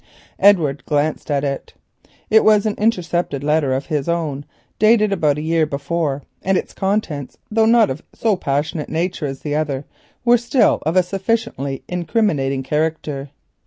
Edward looked at it. It was an intercepted letter of his own, dated about a year before, and its contents, though not of so passionate a nature as the other, were of a sufficiently incriminating character.